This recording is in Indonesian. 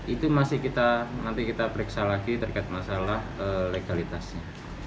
itu masih kita nanti kita periksa lagi terkait masalah legalitasnya